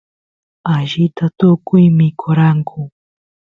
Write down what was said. allita tukuy mikoranku